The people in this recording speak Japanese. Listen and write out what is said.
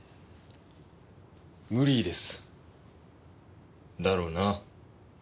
無理です。だろうな。